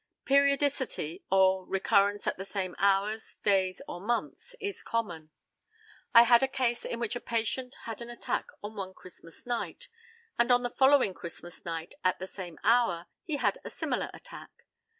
Periodicity, or recurrence at the same hours, days, or months, is common. I had a case in which a patient had an attack on one Christmas night, and on the following Christmas night, at the same hour, he had a similar attack.